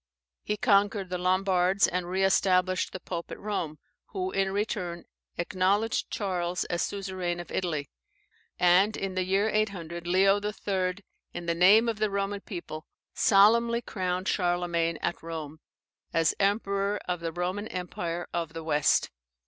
He conquered the Lombards, and re established the Pope at Rome, who, in return, acknowledged Charles as suzerain of Italy; and in the year 800, Leo III, in the name of the Roman people, solemnly crowned Charlemagne at Rome, as Emperor of the Roman Empire of the West.